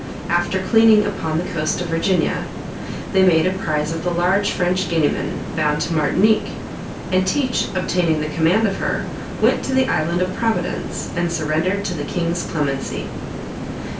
After cleaning upon the coast of Virginia, they made a prize of a large French Guineaman bound to Martinique, and Teach obtaining the command of her, went to the island of Providence, and surrendered to the king's clemency.